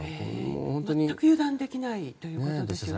全く油断できないということですよね。